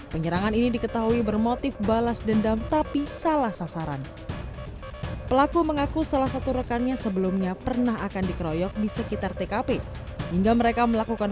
penyerangan ini diketahui bermotif balas dendam tapi salah sasaran